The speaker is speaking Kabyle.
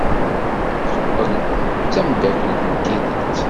Teqqel d tameddakelt n tidet.